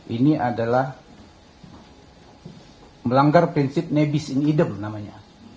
ini adalah melanggar prinsip nebis in idem namanya